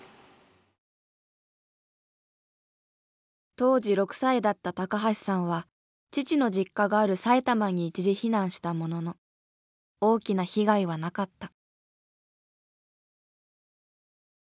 当時６歳だった橋さんは父の実家がある埼玉に一時避難したものの大きな被害はなかった。